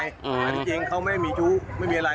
แต่จริงเขาไม่มีชู้ไม่มีอะไร